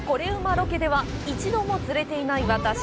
ロケでは一度も釣れていない私。